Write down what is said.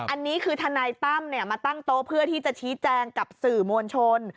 อันนี้คือทนายตั้มมาตั้งโต๊ะเพื่อที่จะชี้แจงกับสื่อมวลชน